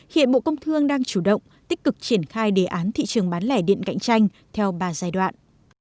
hiện bộ công thương đang chủ động tích cực triển khai đề án thị trường bán lẻ điện cạnh tranh theo ba giai đoạn